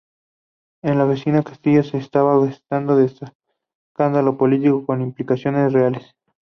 En la vecina Castilla, se estaba gestando un escándalo político con implicaciones reales.